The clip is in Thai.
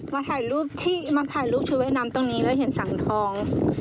มาถ่ายรูปชูไว้น้ำตรงนี้แล้วเห็นสังทอง